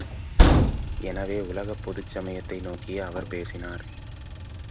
எனவே, உலகப்பொதுச் சமயத்தை நோக்கியே அவர் பேசினார்.